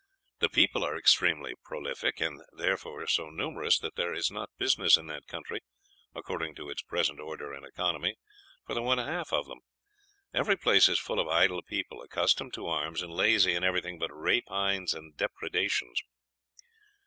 The people are extremely prolific, and therefore so numerous, that there is not business in that country, according to its present order and economy, for the one half of them. Every place is full of idle people, accustomed to arms, and lazy in everything but rapines and depredations.